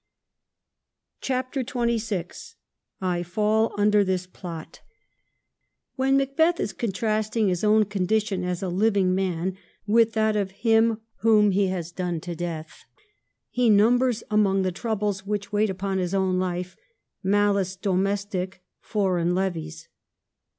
OHAPTEE XXVI '1 FALL UNDER THIS PLOT When Macbeth is contrasting his own condition as a living man with that of him whom he has done to death, he numbers among the troubles which wait upon his own life •• malice domestic, foreign levies.'